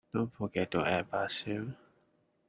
Don't forget to add Basil.